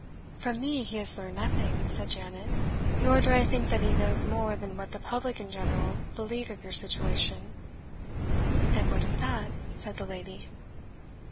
"From me he has learned nothing," said Janet; "nor do I think that he knows more than what the public in general believe of your situation." "And what is that?" said the lady.